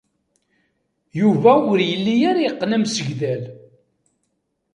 Yuba ur yelli ara yeqqen amsegdal.